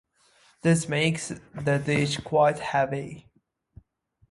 This makes the dish quite heavy.